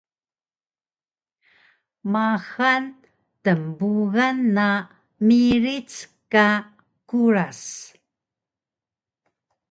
Maxal tnbugan na miric ka Kuras